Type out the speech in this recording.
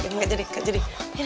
gak jadi gak jadi